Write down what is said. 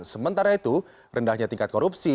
sementara itu rendahnya tingkat korupsi